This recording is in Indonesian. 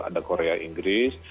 ada korea inggris